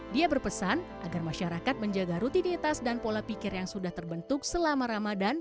dia berpesan agar masyarakat menjaga rutinitas dan pola pikir yang sudah terbentuk selama ramadan